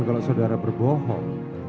kalau saudara berbohong